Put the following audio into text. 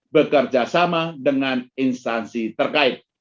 bekerjasama dengan instansi terkait